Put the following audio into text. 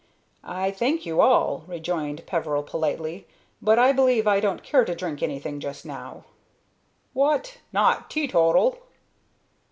"I thank you all," rejoined Peveril, politely, "but I believe I don't care to drink anything just now." "What! Not teetotal?"